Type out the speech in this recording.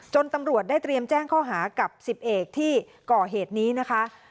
ตำรวจได้เตรียมแจ้งข้อหากับ๑๐เอกที่ก่อเหตุนี้นะคะ